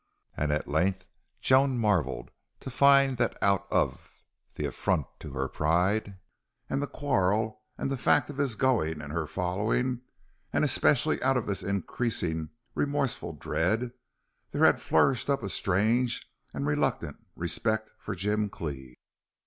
And at length Joan marveled to find that out of the affront to her pride, and the quarrel, and the fact of his going and of her following, and especially out of this increasing remorseful dread, there had flourished up a strange and reluctant respect for Jim Cleve.